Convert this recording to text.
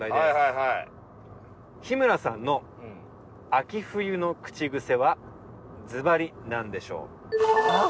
日村さんの秋冬の口癖はずばりなんでしょう？はあ？